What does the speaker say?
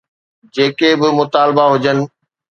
جيڪي به مطالبا هجن.